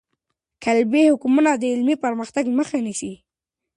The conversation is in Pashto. قالبي حکمونه د علمي پرمختګ مخه نیسي.